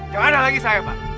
jangan ada lagi saya pak